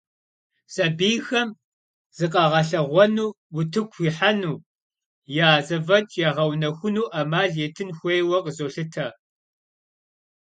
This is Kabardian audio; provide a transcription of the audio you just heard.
Sabiyxem zıkhağelheğuenu, vutıku yihenu, ya zef'eç' yağeunexujjınu 'emal yêtın xuêyue khızolhıte.